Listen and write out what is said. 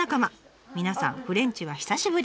皆さんフレンチは久しぶり。